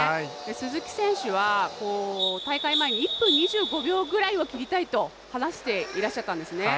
鈴木選手は大会前に１分２５秒ぐらいをきりたいと話していらっしゃったんですね。